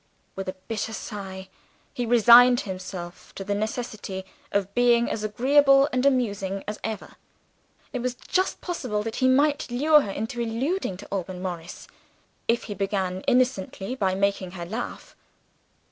With a bitter sigh, he resigned himself to the necessity of being as agreeable and amusing as ever: it was just possible that he might lure her into alluding to Alban Morris, if he began innocently by making her laugh.